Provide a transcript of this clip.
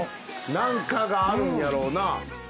何かがあるんやろな。